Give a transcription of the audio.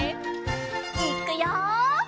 いっくよ。